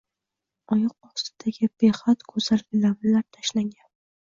Oyoq ostiga behad go‘zal gilamlar tashlangan